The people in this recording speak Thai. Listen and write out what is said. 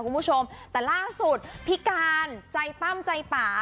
คุณผู้ชมแต่ล่าสุดพี่การใจปั้มใจป่า